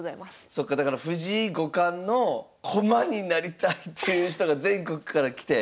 そっかだから藤井五冠の駒になりたいっていう人が全国から来て。